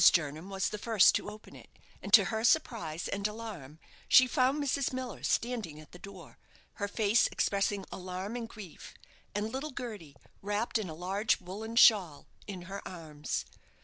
Jernam was the first to open it, and to her surprise and alarm, she found Mrs. Miller standing at the door, her face expressing alarm and grief, and little Gerty, wrapped in a large woollen shawl, in her arms.